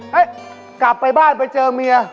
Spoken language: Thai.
กลับไปบ้านไปเจอเมีย